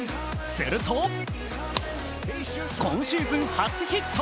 すると今シーズン初ヒット。